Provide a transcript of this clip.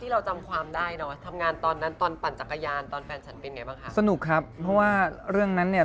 เราได้ร่วมงานถ่ายหนังกันอยู่เรื่องหนึ่ง